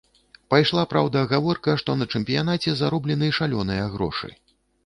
Пайшла, праўда, гаворка, што на чэмпіянаце зароблены шалёныя грошы.